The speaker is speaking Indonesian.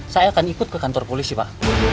saya akan ikut ke kantor polisi pak